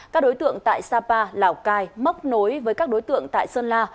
các đối tượng tại sapa lào cai móc nối với các đối tượng tại sơn la